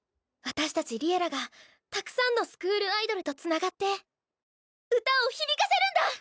私たち「Ｌｉｅｌｌａ！」がたくさんのスクールアイドルとつながって歌を響かせるんだ！